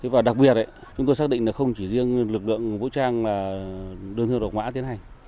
và đặc biệt chúng tôi xác định là không chỉ riêng lực lượng vũ trang đơn thư độc mã tiến hành